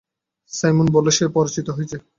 Simon বললো, সে প্ররোচিত হয়েছে।